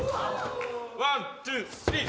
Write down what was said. ワンツースリー！